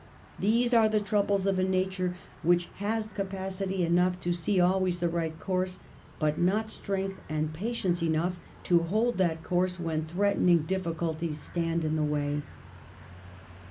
These are the troubles of a nature which has capacity enough to see always the right course, but not strength and patience enough to hold that course when threatening difficulties stand in the way.